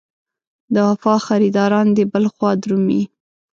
د وفا خریداران دې بل خوا درومي.